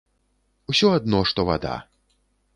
Усё адно што вада.